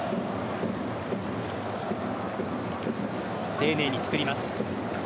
丁寧に作ります。